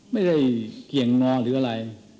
ไม่ได้เกี่ยงงอหรืออะไร